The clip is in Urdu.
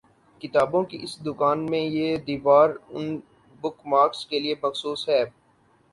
کتابوں کی اس دکان میں یہ دیوار اُن بک مارکس کےلیے مخصوص ہے